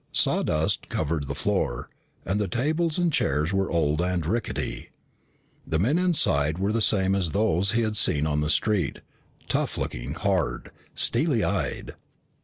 Sawdust covered the floor, and the tables and chairs were old and rickety. The men inside were the same as those he had seen on the street, tough looking, hard, steely eyed.